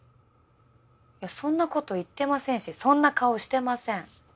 そんなこと言ってませんしそんな顔してません。